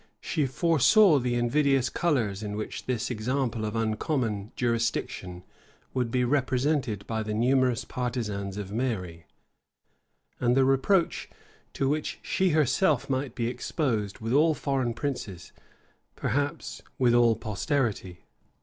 She foresaw the invidious colors in which this example of uncommon jurisdiction would be represented by the numerous partisans of Mary, and the reproach to which she herself might be exposed with all foreign princes, perhaps with all posterity.